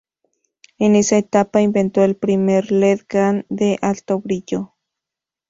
En esa etapa inventó el primer led GaN de alto brillo.